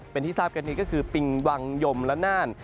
เป็นที่ทราบกันนี้ก็คือปิงวังยมและน่าน